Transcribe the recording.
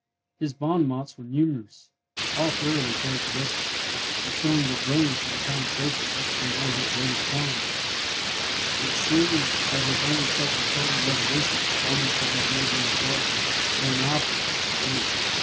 His bon mots are numerous, all thoroughly characteristic, and showing that brilliancy in conversation must have been one of his greatest charms. It seems as if only self control and resolution were wanting to have made him a Charles, or an Alfred, the Great.